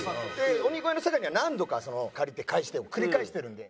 鬼越の坂井には何度か借りて返してを繰り返してるんで。